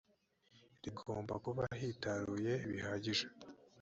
rigomba kuba hitaruye bihagije